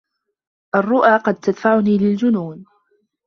الرؤى قد تدفعني للجنون.